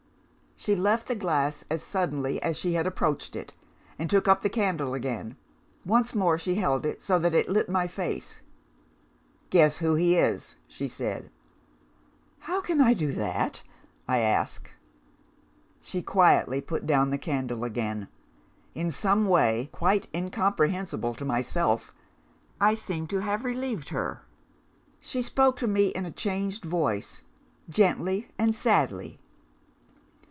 "She left the glass as suddenly as she had approached it, and took up the candle again. Once more she held it so that it lit my face. "'Guess who he is,' she said. "'How can I do that?' I asked. "She quietly put down the candle again. In some way, quite incomprehensible to myself, I seemed to have relieved her. She spoke to me in a changed voice, gently and sadly.